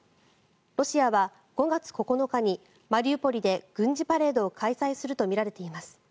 ロシアは５月９日にマリウポリで軍事パレードを開催するとみられています。